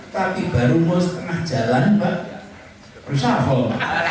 tapi baru mau setengah jalan pak reshuffle